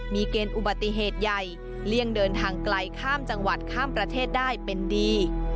มีเกณฑ์อุบัติเหตุใหญ่เลี่ยงเดินทางไกลข้ามจังหวัดข้ามประเทศได้เป็นดี